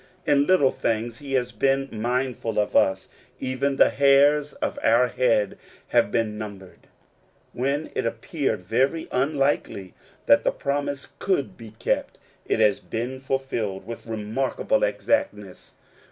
In little things he has been mindful of us: even the hairs of our head have been numbered. When it appeared very unlikely that the promise could be kept, it has been fulfilled with remarkable exactness.